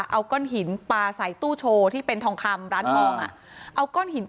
เอาก้อนหินปลาใส่ตู้โชว์ที่เป็นทองคำร้านฮอม